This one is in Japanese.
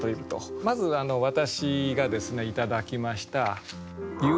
まず私がですね頂きました